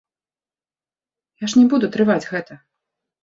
Я ж не буду трываць гэта.